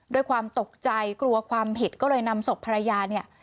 ด้วยความตกใจกลัวความผิดก็เลยนำศพภรรยาเนี่ย